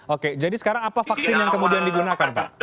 oke jadi sekarang apa vaksin yang kemudian digunakan pak